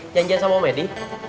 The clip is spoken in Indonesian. janjian sama om edi